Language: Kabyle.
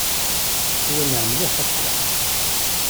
Iwenneɛ mliḥ akya.